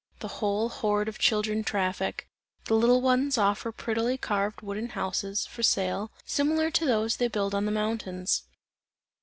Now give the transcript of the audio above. The whole horde of children traffic; the little ones offer prettily carved wooden houses, for sale, similar to those they build on the mountains.